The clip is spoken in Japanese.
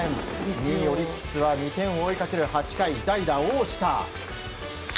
２位オリックスは２点を追いかける８回代打、大下。